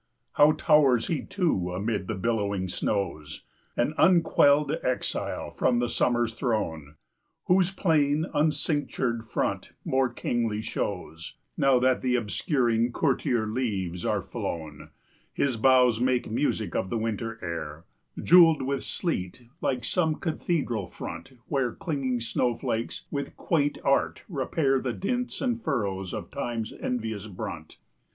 How towers he, too, amid the billowed snows, An unquelled exile from the summer's throne, 10 Whose plain, uncinctured front more kingly shows, Now that the obscuring courtier leaves are flown. His boughs make music of the winter air, Jewelled with sleet, like some cathedral front Where clinging snow flakes with quaint art repair 15 The dints and furrows of time's envious brunt.